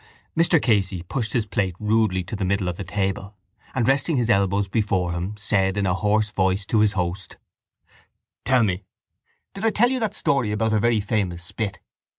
Mr Casey pushed his plate rudely into the middle of the table and, resting his elbows before him, said in a hoarse voice to his host: —Tell me, did I tell you that story about a very famous spit?